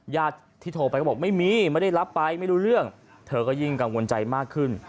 ญาติที่โทรไปก็บอกไม่มีไม่ได้รับไปไม่รู้เรื่องเธอก็ยิ่งกังวลใจมากขึ้น